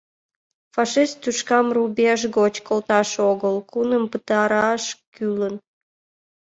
Фашист тӱшкам рубеж гоч колташ огыл, нуным пытараш кӱлын.